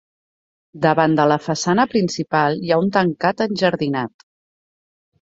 Davant de la façana principal hi ha un tancat enjardinat.